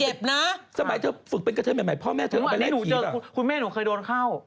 ยิงในเต็นท์เลยแหละน่ากลวมกันนะ